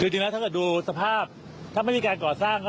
คือจริงแล้วถ้าเกิดดูสภาพถ้าไม่มีการก่อสร้างก็